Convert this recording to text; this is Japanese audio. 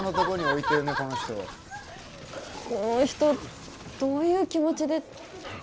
この人どういう気持ちで。